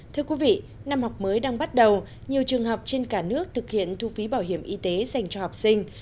thưa quý vị năm học mới đang bắt đầu nhiều trường học trên cả nước thực hiện thu phí bảo hiểm y tế dành cho học sinh